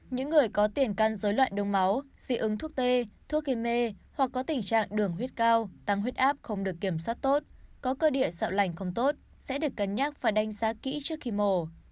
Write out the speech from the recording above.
những người có tiền căn dối loạn đông máu dị ứng thuốc tê thuốc gây mê hoặc có tình trạng đường huyết cao tăng huyết áp không được kiểm soát tốt có cơ địa sạo lành không tốt sẽ được cân nhắc và đánh giá kỹ trước khi mổ